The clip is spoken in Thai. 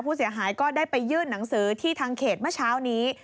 ผู้เสียหายก็ได้ไปยื่นหนังสือที่ทางเขตเมื่อเช้านี้